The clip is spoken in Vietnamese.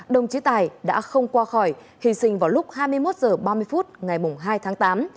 đồng chí tài đã không qua khỏi hy sinh vào lúc hai mươi một h ba mươi phút ngày hai tháng tám